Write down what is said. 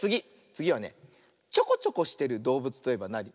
つぎはねちょこちょこしてるどうぶつといえばなに？